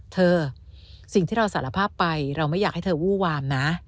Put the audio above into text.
สิ่งที่เราสารภาพไปเราไม่อยากให้เธอวู้วามนะ